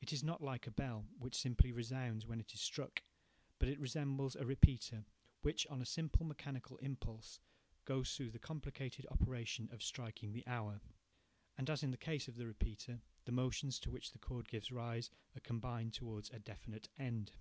It is not like a bell, which simply resounds when it is struck, but it resembles a repeater, which, on a simple mechanical impulse, goes through the complicated operation of striking the hour. And as in the case of the repeater, the motions to which the cord gives rise are combined towards a definite end.